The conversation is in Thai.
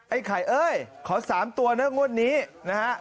ไอ้ไข่เอ้ยขอ๓ตัวนะงวดนี้นะฮะ